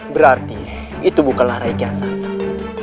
berarti itu bukanlah rai kian santang